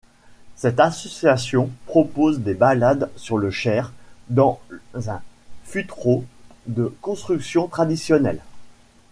Cette association propose des balades sur le Cher dans un fûtreau de construction traditionnelle.